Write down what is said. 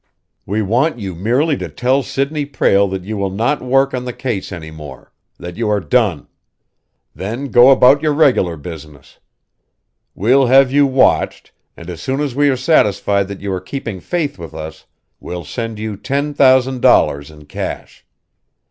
"We want you merely to tell Sidney Prale that you will not work on the case any more that you are done. Then go about your regular business. We'll have you watched, and as soon as we are satisfied that you are keeping faith with us, we'll send you ten thousand dollars in cash.